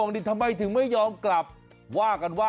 คู่กับสมัครข่าว